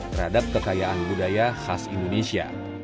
terhadap kekayaan budaya khas indonesia